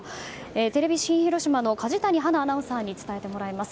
テレビ新広島の梶谷羽奈アナウンサーに伝えてもらいます。